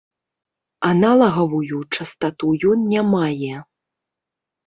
Аналагавую частату ён не мае.